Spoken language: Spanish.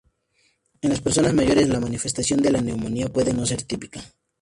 En las personas mayores, la manifestación de la neumonía puede no ser típica.